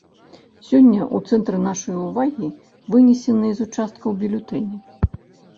Сёння ў цэнтры нашай увагі вынесеныя з участкаў бюлетэні.